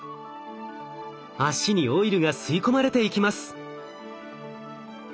脚にオイルが吸い込まれていきます。